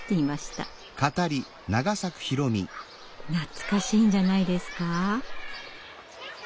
懐かしいんじゃないですか？